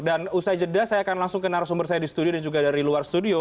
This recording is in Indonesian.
dan usai jeda saya akan langsung ke narasumber saya di studio dan juga dari luar studio